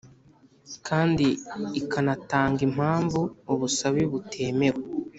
Kandi ikanatanga impamvu ubusabe butemewe